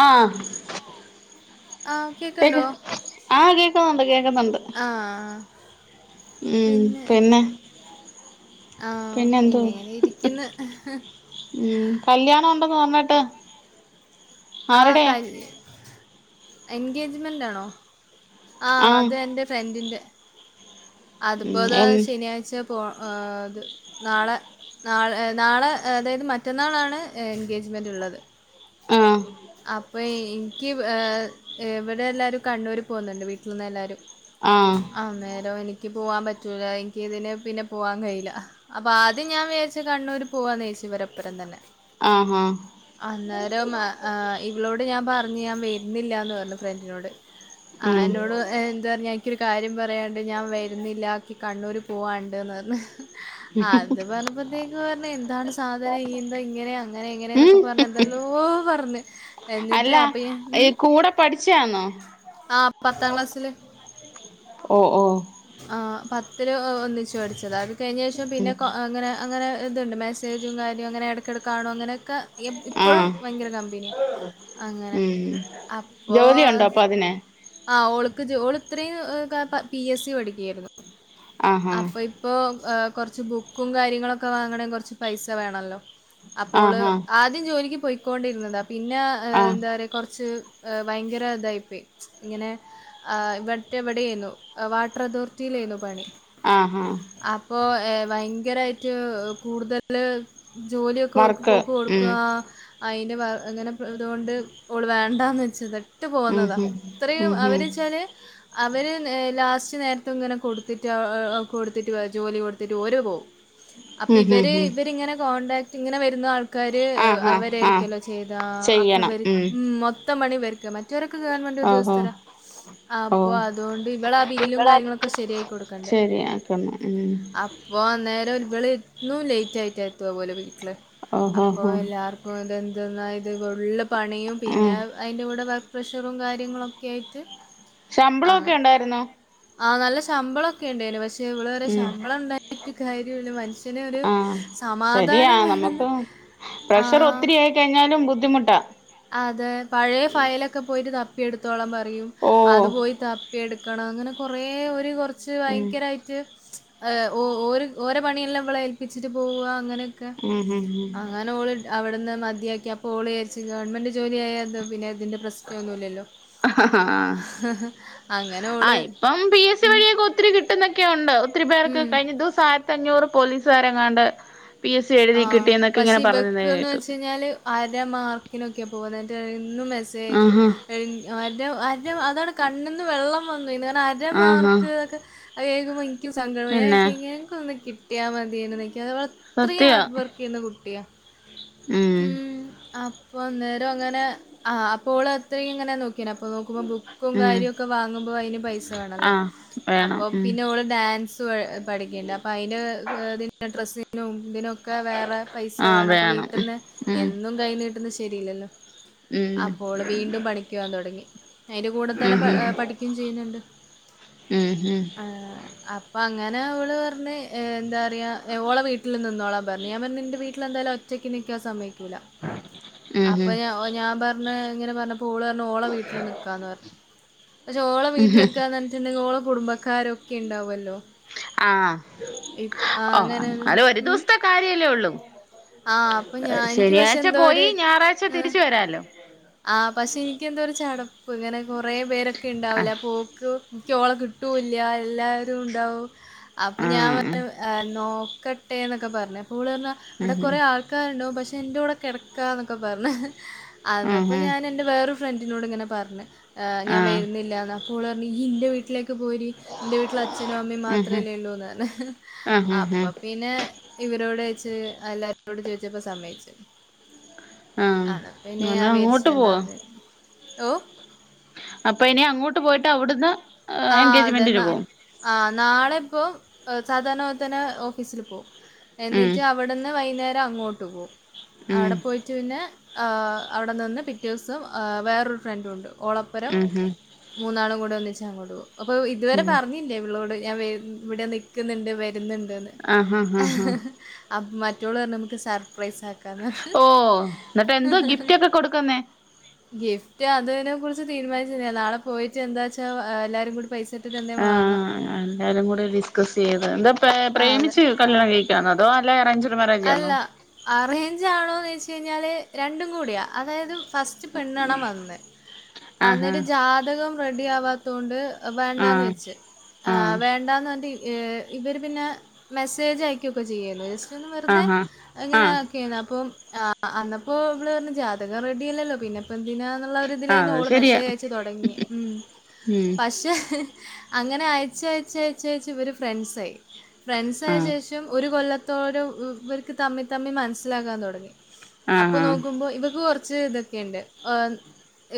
ആഹ് ആഹ് കേക്ക് കേക്ക്ണ്ടോ? ആഹ് കേക്കുന്നൊണ്ട് കേക്കുന്നൊണ്ട് ആഹ് ഉം പിന്നെ. ആഹ് പിന്നെന്തോ പിന്നെങ്ങനെ ഇരിക്കുന്ന് സോമേട്ടൻ ആ കൽ എൻഗേജ്മെന്റാണോ? ആ ആഹ് അത് എന്റെ ഫ്രണ്ടിന്റെ. അതിപ്പോ ഉം ത് എൻ ശെനിയാഴ്ച്ച ഇപ്പോൾ ഇത് നാളെ നാളെ നാളെ അതായത് മറ്റന്നാളാണ് എൻഗേജ്മെന്റ് ഉള്ളത്. ആഹ് അപ്പേയ് ക്ക് ഇവെടെ എല്ലാരും കണ്ണൂര് പോകുന്നൊണ്ട് വീട്ടിൽ നിന്ന് എല്ലാരും. ആഹ് അന്നേരം എനി എനിക്ക് പോവാൻ പറ്റൂല. എനിക്കിതിന് പിന്നെ പോവാൻ കഴിയില്ല. അപ്പ ആദ്യം ഞാൻ വിചാര്ച്ചു കണ്ണൂര് പോവാന്ന് വിചാരിച്ച്. ഇവരെഒപ്പരം തന്നെ. ആഹ് ഹാ മ് ഏ ഇവളോട് ഞാൻ പറഞ്ഞു ഞാൻ വീ ഇന്നില്ലാന്ന് പറഞ്ഞു ഫ്രണ്ടിനോട്. ആഹ് ഉം എന്നോട് എ എന്ത് പർഞ്ഞേ? ഇക്ക്യൊരു കാര്യം പറയാൻണ്ട് ഞാൻ വരുന്നില്ലാ ഇക്ക്യ് കണ്ണൂർ പോവാൻണ്ട്ന്ന് പർഞ്ഞ്. അത് പറഞ്ഞപ്പത്തേക്ക് പറഞ്ഞ് എന്താണ് സാധനം ഇ ത് ഇങ്ങനെയാന്ന് ഉം അങ്ങനയിങ്ങനെന്നൊക്കെ പറഞ്ഞ് എന്തെ ഓ പറഞ്ഞു എന്നിട്ട് അല്ല അപ്പ ഇ ഈ ഉം കൂടെ പഠിച്ചയാന്നോ ആ പത്താം ക്ലാസ്സില് ഓ ഓ ആഹ്. പത്തില് ഒന്നിച്ച് പഠിച്ചതാ കഴിഞ്ഞ ശേഷം ഉം പിന്നെ കൊ അങ്ങെനെ അങ്ങെനെ. ഇതുണ്ട് മെസ്സേജും കാര്യോ. അങ്ങെനെ ഇടക്കെടക്കാണും അങ്ങനെക്കെ. എം എപ്പോഴും ആഹ് ഭയങ്കര കമ്പനിയാണ് അങ്ങനെ ഉം ജോലിയുണ്ടോ അപ്പോൾ അപ്പൊ അതിന് ആ ഓള്ക്ക് ഓള് ഇത്രയും ക പി എസ് സി പഠിക്കുകയായിരുന്നു ആഹാ അപ്പൊ ഇപ്പൊ എ കുറച്ച് ബുക്കും കാര്യങ്ങളൊക്കെ വാങ്ങണമെങ്കിൽ കുറച്ച് പൈസ വേണല്ലോ അപ്പോള് ആഹാ ആദ്യം ജോലി ക്കോണ്ടിരുന്നതാ പിന്നെ ആഹ് എന്താ പറയുക കുറച്ച് ഭയങ്കര ഇതായിപ്പോയി ഇങ്ങനെ ഇവിടെ എവിടൊയിരുന്നു വാട്ടർ അതോറിറ്റിയിലായിരുന്നു പണി ആഹാ അപ്പൊ എ ഭയങ്കരമായിട്ട് കൂടുതല് ജോലിയൊക്കെ ഓർക്ക് വർക്ക് ഉം കൊടുക്കുക അതിൻന്റെ വ അങ്ങനെ ഇതുകൊണ്ട് ഓള് വേണ്ടാന്ന് വെച്ചതൊക്കെ വിട്ട് ഉം ഹും പോകുന്നതാണ് ഉം ഇത്രയും ഹും അവര് വച്ചാല് അവര് ലാസ്റ്റ് നേരത്തെ ഇങ്ങനെ കൊടുത്തിട്ട് കൊടുത്തിട്ട് ജോലി കൊടുത്തിട്ട് ഓരോ പോവും അപ്പൊ ഉം ഹും ഇവര് ഹും ഇവരിങ്ങനെ കോണ്ടാക് ഇങ്ങനെ വരുന്ന ആൾ ആൾക്കാര് ആഹ് അവ ആഹ് പിന്നെ ആഹ് ഒരിക്കൽചെയ്ത ചെയ്യണം ഉം ഉ മൊത്തം മണിവ ഇവർക്ക് മറ്റ് മറ്റരക്കെ ഗവൺമെന്റ് ഓഹോ ഉദ്യോഗസ്ഥരാ ഓ അപ്പൊ അതുകൊണ്ട് ഇവള ആ ബില്ലും കാര്യങ്ങളൊക്കെ ശരിയായി കൊടുക്കണ്ടേ ശരിയാക്കണം ഉം അപ്പോഅന്നേരം ഇവള് എന്നും ലേറ്റ് ആയിട്ട് എത്തുക പോലെ വീട്ടിൽ ഓഹഹ എന്തെന്ന ഇത് ഫുൾ പണിയും ഉം പിന്നെ അതിൻ്റെ കൂടെ വ പ്രഷറും കാര്യങ്ങളൊക്കെയ ആയിട്ട് ആ ശമ്പളൊക്കെ ഉണ്ടായിുന്നോ ആ നല്ല ശമ്പളം ഓക്കെ ഉണ്ടായിന് പക്ഷേ പക്ഷ ഇവടെ വ ഉം ശമ്പളം ഉണ്ടായിട്ട് കാര്യില്ല മനുഷ്യന ഒരു ആഹ് ശരിയാ സമാധാനം വേണം നമുക്ക് ആ പ്രഷർ ഒത്തിരി ആയി കഴിഞ്ഞാലും ബുദ്ധിമുട്ടാ അതെ പഴയ ഫയലൊക്കെ പോയി തപ്പി എടുത്തോളം പറ ഓ അതു പോയി തപ്പിയ എടുക്ക ണം അങ്ങനെ കുറേ ഒരു കു കു ഉം ഭയങ്കരായിട്ട് [unintelligible] ഓ പണിയെല്ലാം ഇള ഏൽപ്പിച്ചിട്ട് പോവ അങ്ങനെ [unintelligible] ഉം ഹഹ ഹ ഓള് അവിടുന്ന് മതിയാക്കി ആ പോളിരിച്ച ഗവൺമെന്റ് ജോലിയ ആയത് പിന്നെ ഇതിന്റെ പ്രശ്നമൊന്നുമില്ലല്ലോ. ആ, അങ്ങനെ ആ ഓള് ഇപ്പം പി എസ് സി ഉം. വഴിയൊക്കെ ഒത്തിരി കിട്ടുന്നൊക്കെ ഉണ്ട് ഒത്തിരി പേർക്ക് ഉം. കഴിഞ്ഞ ദിവസം ആ അഞ്ഞൂറ് പോലീസുകാര് എങ്ങാണ്ട് ആഹ പക്ഷെ ഇവക്ക്ന്ന് കേട്ടു വെച്ച കഴിഞ്ഞാല് അര മാർക്കിനൊക്കെ പോകുന്നായിട്ട് കഴിയുന്നു [unintelligible] ഒന്ന് മെസ്സേജ് ആഹ് ആഹ് അയക്കും അതാണ് കണ്ണിന്ന് വെള്ളം വന്ന് അര ആഹാ മാർക്ക് അതതുുമ [unintelligible] ക സങ്കടായ പിന്നെ ആയിക്കിങ്ങ കൊട്ട [unintelligible] ാ മതിെക്ക [unintelligible] അത്രയും സത്യ ഹാർഡ് വർക്ക് ചെയ്യുന്ന കുട്ടിയാണ് ഉം അ് അപ്പ അന്നേരം അങ്ങനെ ആ അപ്പോൾ അത്രയും ഇങ്ങനെ നോക്കി ന ഉം കയ പല്ലോ ആഹ് അ അ വേണം [unintelligible] ഉം [unintelligible] നൗ [unintelligible] [inaudible] എന്തിനൊക്കെ വേറെ പൈസ വേണം അപ്പോൾ വീട്ടിൽന്ന് ഉം എന്നും കൈിഞ്ഞീട്ടന്ന് ശ [unintelligible] ലീലല്ല ഉം അപ്പോള് വീണ്ടും പണിക്ക്യോവാൻ തൊടങ്ങി. അയിന്റെ കൂടെ തന്നെ പ ഉം ഉം പഠിക്ക്യും ചെയ്യുന്നുണ്ട്. ഉം ഏഹ് അപ്പൊ അ ങ്ങനെ ഓള് പർന് ഏഹ് എന്താ പറിയാ ഓളെ വീട്ടിൽ നിന്നോളാം ന്ന് പറഞ്ഞ് ഞാൻ പറഞ്ഞ്ൻ്റെ വീട്ടിലെന്തായാലും ഒറ്റക്ക് നി ക്ക്യാ സമ്മയ് ക്കൂലാ. ഉം ഉം അപ്പ ഞ ഞാൻ പർഞ്ഞ് ഇങ്ങനെ പറഞ്ഞപ്പോ ഓളർണ് ഓള വീട്ടില് നിക്കാന്ന് പർഞ്. പക്ഷേ ഓള വീട്ടില് ഉം നിക്കാന്ന് പർഞ്ഞിട്ടുണ്ടെങ്കി ഓള് കുടുംബക്കാരൊക്കെ ഉണ്ടാവല്ലോ. ആഹ് ഒഹ് അങ്ങനെ ഒരു അതൊര് ഉം ദിവസത്തെ കാര്യല്ലേ ഒള്ളൂ. ആ അപ്പൊ ഏഹ് ഞാൻ എനിക്ക് പക്ഷെ ശനിയാഴ്ച എന്തോ പോയി ഒരു ഞായറാഴ്ച്ച ആഹ് തിരിച്ച് വരാല്ലോ. ആഹ് പക്ഷെ എൻക്ക്യ് എന്തോര് ച ചടപ്പ് ഇങ്ങനെ കൊറേ പേരൊക്കെ ഇണ്ടാവുലേ ആഹ് അപ്പോക്ക് ഇൻക്ക്യോള കിട്ടൂല്ല എല്ലാവരും ഉണ്ടാവും. അപ്പൊ ഞാൻ ആഹ് പർഞ്ഞ് ഏഹ് നോ കട്ടേ എന്നൊക്കെ പർണ്. അപ്പോളർണ് ഉം അവിടെ കൊറേ ആൾക്കാര്ണ്ടാവും പഷ് പക്ഷെ എൻറെ കൂടെ കിടക്കാന്നൊക്ക പറഞ്ഞ് അയ്ന്നു ഉം അപ്പോൾ ഉം ഞാന് എന്റെ ഫ്രണ്ടിനോട് ഇങ്ങനെ പറണ് ഞാൻ ആഹ് വരുന്നില്ലന്ന് അപ്പോള് നീ ഇയ്യ് ഇന്റെ വീട്ടിലെക്ക് പോര് എന്റെ വീട്ടിൽ അച്ഛനും അമ്മയും ഉം മാത്രം ഉം അല്ലേ ഉള്ളൂന്ന് പറഞ്ഞ് ആഹ് ഉം ഉം അപ്പൊ പിന്നെ ഇവരോട് എല്ലാരോട് ചോദിച്ചപ്പോ സമ്മയ്യിച്ചു സമ്മതിച്ചു ആഹ് ആണ് പിന്നെ തനെ അങ്ങോട്ട് പോവാ [unintelligible] ഓ അപ്പൊ ഇനി അങ്ങോട്ട് പോയിട്ട് അവിടുന്ന് ആ അതെെന്ന എൻഗേജ്മെന്റിന് പോവും ആഹ് നാളെ ഇപ്പെ സാധാരണ പേലെത്തന്നെ ഓഫീസിൽ പോകും ഉം എന്നിട്ട് അവിടുന്ന് വൈകുന്നേരം അങ്ങോട്ട് ട്ട് പേ ഉം അവിടെ പോയിട്ടു പിന്നെ അവിടെ നിന്ന് പിറ്റേസും വേറൊരു ഫ്രണ്ടും ഉണ്ട് ഓളപ്പുരം ഉം ഉം മൂന്നാളും കൂടെ വന്നു ചഞങ്ങോടു അപ്പൊ ഇതുവരെ ഉം പറഞ്ഞില്ലേ ഇവിളോട് ഞാൻ ഇവിടെ നിൽക്കുന്നുണ്ട് ആഹ് ആഹ് ആഹ് ആഹ് [unintelligible] ആറ്റോള നമുക്ക് സർപ്രൈസ്ക്ക ഓ എന്നിട്ട് എന്തോ ഗിഫ്റ്റ് ഒക്കെ കൊടുക്കുന്നേ ഇതിനെ കുറിച്ച് തീരുമാനിച്ചില്ല നാള പോയിട്ട് എന്താച്ച എല്ലാരും കൂ പൈസ ഇട്ടിട്ട് എന്തേ വാങ്ങാം ആഎല്ലാരും കൂടി ഡിസ്കസ് ചെയ്ത എന്താ ഏ അതെ പ്രേമിച്ച് കല്യാണം കഴിക്കാന അതോ അറേഞ്ച് അല്ല അറേഞ്ചാണോന്നു ചോ ച്ചു കഴിഞ്ഞാലേ രണ്ടും കൂടിയാ അതായത് ഫസ്റ്റ് പെണ്ണാണാൻ വന്നെ ആഹ് അന്നിട്ടെ ജാതകം റെഡി ആവാത്ത് അതോണ്ട് വേണ്ടാന്ന് ആഹ് വെച്ച് ആ ആഹ് വേണ്ടാന്ന് ധി ഈ ഇവരെ പിന്നെ മെസ്സേജ യക്കൊക്കെ ചെയ്യാരുന്നു ജസ്റ്റ്‌ ഇതൊന്നെ വെറുതെ ആഹ് ആഹ് ആഹ് ഇങ്ങനെയാക്കിയാലോ അപ്പം ആ അന്നപ്പം ഈവ്ളെ പറഞ്ഞു ജാതകം റെഡി അല്ലല്ലോ പിന്നിപ്പൊ എന്തിനാന്നെ ഉള്ളൊരുത്തിലാരുന്നു അത് ഓള് ശരിയാ മെസ്സേജ് അയച്ചു തുടങ്ങി ഉ ഉം പക്ഷെ അങ്ങനെ അയച്ചയച്ചെ ഇവരു ഫ്രണ്ട്സായി ഫ്രണ്ട്സ് ആയ ആഹ് ശേഷം ഒരു കൊല്ലത്ത് ത്തോരു ഇവർക്ക് തമ്മി തമ്മി മനസ്സിലാക്കാൻ തൊടങ്ങി അപ്പൊ ആഹ് ആഹ് നോക്കുമ്പോ ഇവക്ക് കുറച്ച് കുറച്ച് ഇതൊക്കെയുണ്ട് ആ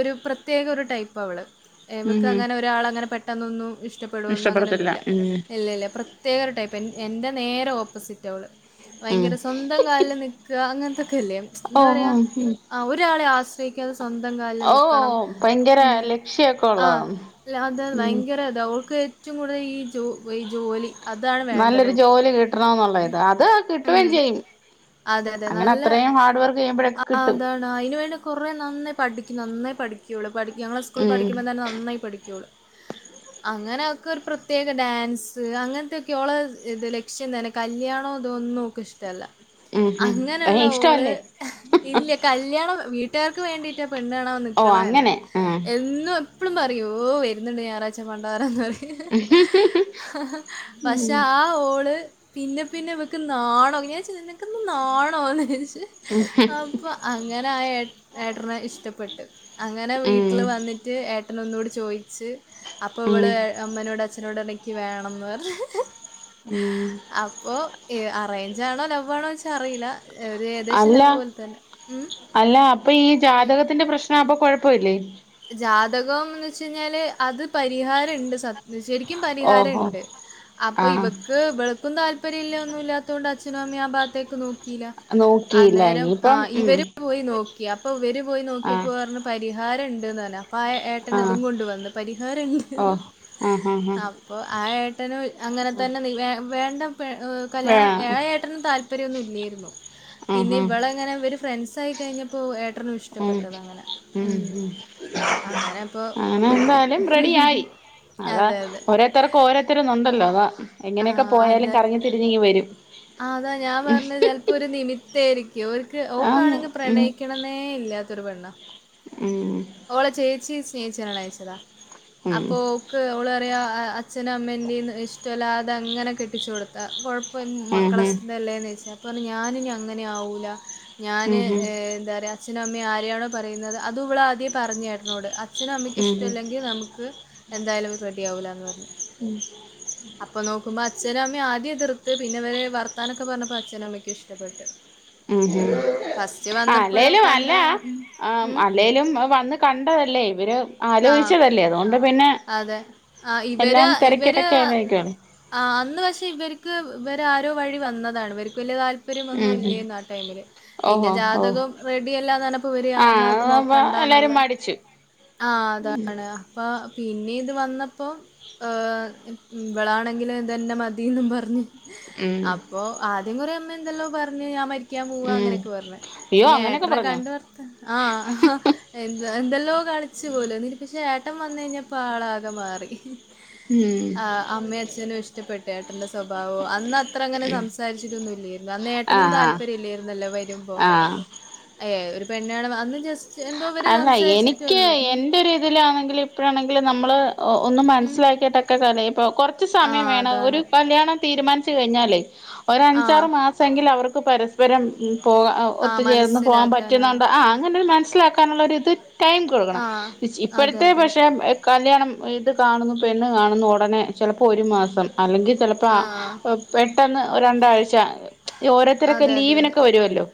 ഒരു പ്രത്യേക ഒരു ടൈപ്പാ അവളെ ഉം എവക്ക് ഉം അങ്ങനെ ഒരാൾ അങ്ങനെ പെട്ട് പെട്ടന്നൊന്നും ഇഷ്ട് ഇഷ്ടപ്പെടുവെന്ന് അങ്ങനൊ ഇഷ്ടപ്പെടത്തില്ല ഉം ന്നുമില്ല പ്രത്യേകൊരു ടൈപ്പാ എൻ്റെ നേരോപ്പസിറ്റ് എവളെ ഉം ഭയങ്കര സ്വന്തം കാലിലു നിക്കുക അങ്ങനത് ല്ല ഓ എന്താ ഓ പറയാ ഉം ആ ഒരാളെ ആശ്ര സൈക്കാതെ സ്വന്തം കാലിൽ ഓ നിക്കണം ഭയങ്കര ഉ ലക്ഷ്യൊക്കെ ആ ഉള്ളതാ അല്ലതെ ഉം ഭയങ്കര അതാ ഓൾക്ക് ഏറ്റവും കൂതൽ ഈ ജോ ഈ ജോലി അതാണ് വേണ്ടത് നല്ലൊരു ഓക്ക്. ജോലി കിട്ടണെന്നുള്ളത് അത് കിട്ടുവേം ഉം. ചെയ്യും അതെ, അതെ. അങ്ങനെ നല്ല അത്രയും ഹാർഡ് വർക്ക് ചെയ്യുമ്പ ഴൊക്കെ കിട്ടും പഠിക്ക് നന്നായി പഠിക്കുമിവളെ പഠിക്ക ഞങ്ങള സ്കൂളിൽ ഉം പഠിക്കുമ്പം തന്നെ നന്നായി പഠിക്കുമിവളെ അങ്ങനെയൊക്കെ ഒരു പ്രത്യേക ഡാൻസെ അങ്ങനത്തൊക്കെ ഓളെ ലക്ഷ്യങ് കല്യാണോ ഇതോന്നും ഓക്ക് ഇഷ്ടല്ല ഉം ഉം അങ്ങനെയുള്ള ഏഹ് ഓള് ഇഷ്ടമല്ലേ ഇല്ല കല്യാണം വീട്ട് കുട്ടികൾക്ക് വേണ്ടിട്ട് പെണ്ണാണൻ ഓ നിക്കണ തന്നെ അങ്ങനെ ആഹ് എന്നും എപ്പഴും പറയ ഓ വരുന്നുണ്ട് ഞായറാ പച്ച പണ്ടോരം ന്ന് പറയും പക്ഷെ ആ ഓള് പിന്നെ പിന്നെ ഇവക്ക് നാണോ ഞാൻ ചോയിച്ച് നിനകെന്ത് നാണോ ഉം അപ്പാ അങ്ങനെ ആ ഏട്ടനെ ഇഷ്ടപ്പെട്ട് അങ്ങനെ ഉം വീട്ടില് വന്നിട്ട് എ ഒന്നുടെ ചോയി ച് അപ്പോ ഉം ഇവള് അമ്മനോട് അച്ഛനോട് പറ എനിക്ക് വേണന്നു പറഞ്ഞ ഉം അപ്പോൾ അറേഞ്ച് ആണോ ലവ് ആണോ വെച്ചാ അറിയില്ല ഒരു ഏകദേശം അല്ല ലവ് പോലെ തന്നെ അല്ല അപ്പൊ ഈ ജാതകത്തിന്റെ പ്രശ്നം അപ്പൊ കൊഴപ്പ പ്പോ ഇല്ലേ ജാതകംന്ന് വെച്ച കഴിഞ്ഞാല് അത് പരിഹാരംമുണ്ട് സത്യ എ ശരിക്കും ഓഹോ പരിഹാരംമുണ്ട് അപ്പൊ ആഹ് ഇവക്ക് ഇവളക്കും താല്പര്യം താല്പര്യം ഒന്നും ഇല്ലാത്തതുകൊണ്ട് അച്ഛനും അമ്മയും ആ ഭാത്തേക്ക് നോക്കി കില്ല നോക്കിയില്ല അന്നേരം ആ ഇനിയിപ്പം ഉം ഇവര് പോയി നോക്കി അപ്പൊ ഇവര് പോയി നോക്കിയപ്പോ ആഹ് പറഞ്ഞു ഹാരം ഇൻ [unintelligible] അപ്പൊ ആ ഏട്ടന ആഹ് അതും കൊണ്ട വന്ന് പരിഹാരംണ്ട് ഓ ആഹ് ആഹ് ആഹ് അപ്പൊ ആ ഏട്ടന് അങ്ങനെ തന്നെ വേണ്ട വേ കല്യാണം ഏ ആഹ് ഏട്ടനും താല്പര്യം പ്പര്യം യൊന്നുല്ലായിരുന്നു പിന്നെ ആഹ് ഇവള അങ്ങനെ ഇവർ ഫ്രണ്ട്സ് ആയി കഴിഞ്ഞപ്പോൾ എ ഏട്ടനും ഇഷ്ടപ്പെട്ടത് അങ്ങനെ ഉ അങ്ങനെന്തായാലും റെഡി ആയി അതാ അതെ, അതെ. ഓരോരുത്തർക്കും ഓരോരുത്തരന്നൊണ്ടല്ലോ അവാ എങ്ങനെയൊക്കെ ആഹ് പോയാലും അതെ. കറങ്ങി തിരിഞ്ഞിങ്ങി വരും അതാ ഞാൻ പറഞ്ഞത് ചെലപ്പോ ഒരു നിമിത്തായിരിക്കും ഓര്ക്ക് ആന്ന് ഓക്കാണെങ്കി പ്രണയിക്കണന്നേ ഇല്ല തിരുവണ്ണ ഉ ഓള ചേച്ചി സ് നേഹിച്ച് കല്യാണം കയിച്ചതാ. ഉം അപ്പോ ഓക്ക് ള് അച്ഛനും അമ്മൻ്റെം ഇഷ്ടല്ലാതെ അങ്ങനെ കെട്ടിച്ചൊടുത്തതാ. ഇപ്പം ഉംഹ് മക്കളെസ്ഥ അല്ലേന്ന് [unintelligible] പ്പൊറഞ്ഞ് ഞാനിനി അങ്ങനെ ആവൂല. ഞാന് ഉംഹ് ഏ എന്താ പറയാ അച്ഛനും അമ്മയും ആരെയണോ പറയുന്നത് അത് ഇവിളാദ്യം പറഞ്ഞ് ഏട്ടനോട് അച്ഛനുമമ്മയ്ക്ക് ഉംഹ് ഇഷ്ടല്ലെങ്കിൽ നമുക്ക് എന്തായാലും റെ ഡിയാവൂലാന്ന് പറഞ്ഞു. ഉം ഛനും അമ്മയും ആദ്യം എതിർത്ത് പിന്നെ അവര് വർത്താനൊക്കെ പറഞ്ഞപ്പോ അച്ഛനും അമ്മയ്ക്കും ഇഷ്ടപ്പെട്ട്. ഉം ഉം ഫസ്റ്റ് വന്നപ്പോഴും അല്ലേലും അല്ല കണ്ടതാണ് ഉം ആ ഉം അല്ലേലും വന്ന് കണ്ടതല്ലേ ഇവര് ആ ആലോചിച്ചതല്ലേ. അതുകൊണ്ട് പിന്നെ അതെ. ആ ഇവര് എല്ലാം ഇവര് തിരക്കിട്ടൊക്കെ ആയിരിക്കുവല്ലോ ആ അന്ന് പക്ഷെ ഇവര്ക്ക് ഇവരാരോ വഴി വന്നതാണ്. ഇവര്ക്ക് വലിയ താല് പര്യം ഒന്നും ഉംഹ് ഇല്ലേർന്നു ആ ടൈമില്. പിന്നെ ഓഹോ ഓ ജാതകം റെഡിയല്ലാന്നറിഞ്ഞപ്പോ ഇവര് ആഹ് എന്നാത് അപ്പ നോക്കണ്ടാന്നുള്ള എല്ലാരും മടിച്ചു ആ അതാണ് അപ്പ പിന്നെ ഇത് വന്നപ്പോം ഇവളാണെങ്കില് ഇതെന്നെ മതിയെന്നും പറഞ്ഞ് ഉം അപ്പൊ ആദ്യം കൊറേ അമ്മ ന്നെന്തല്ലോ പറഞ്ഞ്. ഞാൻ മരി ക്കാൻ പോവാ ഉം അങ്ങനെയൊക്കെ പറഞ്ഞ്. അയ്യോ പിന്നെ അങ്ങനെയൊക്കെ ഏട്ടനെ പറഞ്ഞോ കണ്ട് വർത്താനം ആ എന്ത എന്തല്ലോ കളിച്ചു പോലു ട്ടൻ വന്ന് കഴിഞ്ഞ പ്പ ആളാകെ മാറി. ഉം ആ അമ്മയും അച്ഛനും ഇഷ്ടപ്പെട്ടു. ഏട്ടന്റെ സ്വഭാവം. അന്ന് അത്ര അങ്ങനെ സംസാരിച്ചിട്ടൊന്നുല്ലേരുന്നു. അന്ന് ഏട്ടനും ആഹ് താല്പര്യംല്ലായിരുന്നല്ലോ വരുമ്പോ ആഹ് ആഹ് ഏ ഒരു പെണ്ണുകാണമ അന്ന് ജസ് അല്ല എനിക്ക് എന്റെ ഇതിലാണെങ്കിലും ഇപ്പഴാണെങ്കിലും നമ്മള് ഒന്ന് ഉം മനസിലാക്കിയിട്ടൊക്കെ കലയ് ഇപ്പൊ ച്ച് സമയം ആഹ് വേണം ഒരു അതാണ് കല്യാണ തീ തീരുമാനിച്ചു കഴിഞ്ഞാലേ ഒരു അഞ്ചാറ് ആഹ് മാസമെങ്കിൽ അവർ ക്ക് പരസ്പരം ഉം പോക ആഹ് ഒത്തുചേർന്ന് പോകാൻ മനസ്സിലാക്കാനാ പറ്റുന്നുണ്ടോ ആ അങ്ങനെ ഒരു മന മനസ്സിലാക്കാനുള്ളരിത് ടൈം കൊടുക്കണം ആഹ് അതെ ഇപ്പോഴത്തെ അതെ അതെ പക്ഷേ കല്ല്യാണം ഇത് കാണുന്നു പെണ്ണ് കാണുന്നു ഉടനെ ചിലപ്പോൾ ഒരു മാസം അല്ലെങ്കിൽ ചിലപ്പോ ആഹ് പെ പെട്ടെന്ന് രണ്ടാഴ്ച ഓരോരുത്തരൊക്കെ അതെ അതെ അതെ ലീവിനോക്കെ വരുല്ലോ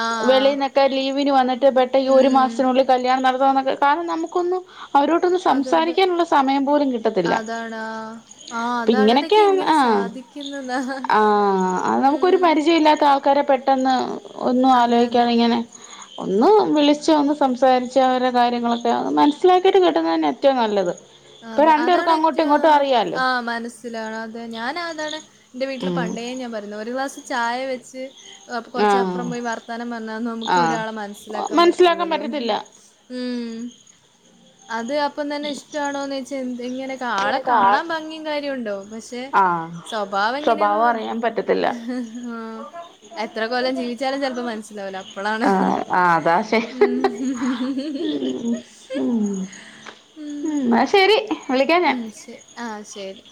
ആഹ് വെളിന്നൊക്കെ ഇവർവന്നിട്ട് ഈ ഒരു ഉം മാസത്തിനുള്ളിൽ കല്യാണം നട കാരണം നമുക്കൊന്ന് അവരോട്ടൊന്ന് അതെ അതെ സംസാരിക്കാനുള്ള സമയം പോലും കിട്ടത്തില്ല അതാണ് ആഹ് ആഹ് അപ്പം അതാണ് അതൊക്കെ ഇങ്ങനെയൊക്കെയ എങ്ങനെ ആ സാധിക്കുന്നെന്നാ ആ അ നമുക്കൊരു ഉം പരിചയമല്ലാത്ത ആ ക്കരെ പെട്ടെന്ന് ഒന്നും അതെ അതെ ആലോചിക്കാതെ ഇങ്ങനെ ഒന്ന് വിളിച്ച് ഒന്ന് സംസാരിച്ച് അവരുടെ കാര്യങ്ങളൊക്കെന്ന് മനസ്സിലാക്കിയിട്ട് കെട്ടുന്നത് തന്ന ഏറ്റവും നല്ലത് ഇപ്പൊ അതെ രണ്ടു അതാണ് പേർക്കും അങ്ങോട്ടും ഏറ്റവും ഇങ്ങോട്ടും അറിയാലോ ആ മനസ്സിലാണ് അതെ ഞാന താണ് എൻന്റെ വീട്ടില് ഉം പണ്ടേ ഞാൻ പറയുന്ന ഒരു ഗ്ലാസ് ചായ വച്ചു ആഹ് കുറച്ചപ്പുറം പോയി വർത്താനം വന്നാന്ന് നമുക്ക് ആഹ് ഒരാളെ മനസ്സിലാക്കാൻ മനസ്സിലാക്കാൻ പറ്റുല്ലല്ലോ പറ്റത്തില്ല ഉം അത് അപ്പം തന്നെ ഇ വച്ച ഇങ്ങനെക്കെ ആളെ ഇങ്ങനെ കാണാൻ കാണും ഭംഗിയും കാര്യുണ്ടോ പക്ഷെ ആഹ് സ്വഭാവം എങ്ങനെയാെന്ന് സ്വഭാവം അറിയാൻ പറ്റത്തില്ല എത്ര കൊല്ലം ജീവിച്ചാലും ചിലപ്പോൾ മനസ്സിലാവുല അപ്പോഴാണ് ആഹ് ആഹ് അതാ ശരി ഉം ഉം ഉം എന്നാ ശരി വിളിക്കാം ഞാൻ ഓം ശരി ശരി